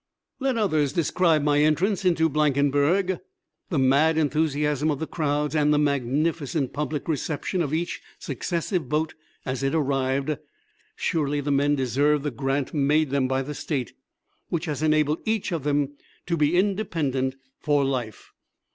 Let others describe my entrance into Blankenberg; the mad enthusiasm of the crowds, and the magnificent public reception of each successive boat as it arrived. Surely the men deserved the grant made them by the State which has enabled each of them to be independent for life.